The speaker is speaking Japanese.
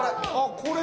これ。